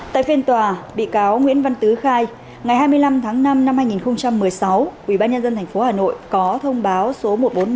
tại phiên tòa bị cáo nguyễn văn tứ khai ngày hai mươi năm tháng năm năm hai nghìn một mươi sáu ubnd tp hà nội có thông báo số một trăm bốn mươi năm